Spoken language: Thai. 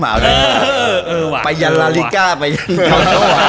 ไปยัลลาลิก้าไปยังเกาะเช้าหวาน